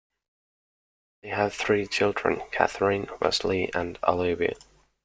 They have three children, Katherine, Wesley and Olivia.